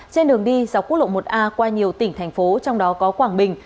trên đường đi dọc quốc lộ một a qua nhiều tỉnh thành phố trong đó có quảng bình